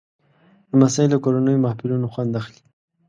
لمسی له کورنیو محفلونو خوند اخلي.